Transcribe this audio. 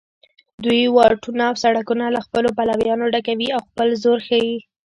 دوی واټونه او سړکونه له خپلو پلویانو ډکوي او خپل زور ښیي